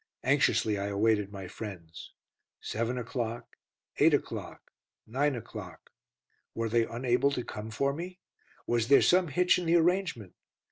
Anxiously I awaited my friends. Seven o'clock eight o'clock nine o'clock. "Were they unable to come for me?" "Was there some hitch in the arrangement?"